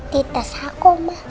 di tas aku omak